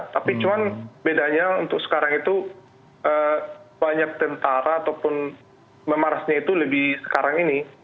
tapi cuma bedanya untuk sekarang itu banyak tentara ataupun memarasnya itu lebih sekarang ini